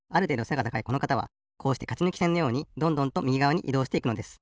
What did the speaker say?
背が高いこの方はこうしてかちぬきせんのようにどんどんとみぎがわにいどうしていくのです。